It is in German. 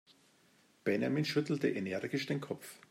Benjamin schüttelte energisch den Kopf.